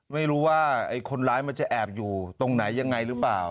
ไม่รู้ว่าไอ้คนร้ายมันจะแอบอยู่ตรงไหนยังไงหรือเปล่า